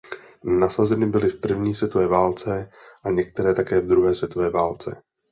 Nasazeny byly v první světové válce a některé také v druhé světové válce.